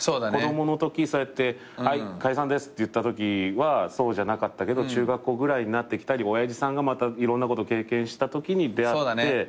子供のときそうやってはい解散ですって言ったときはそうじゃなかったけど中学校ぐらいになってきたり親父さんがまたいろんなこと経験したときに出会って。